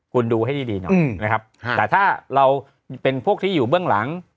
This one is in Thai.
คุณดูให้ดีหน่อยนะครับแต่ถ้าเราเป็นพวกที่อยู่เบื้องหลัง